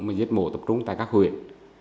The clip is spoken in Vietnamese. các cơ sở giết mổ động vật tập trung tại các huyện